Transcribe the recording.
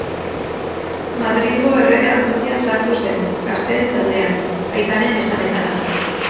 Madrilgo Errege Antzokian sartu zen, gazteen taldean, aitaren esanetara.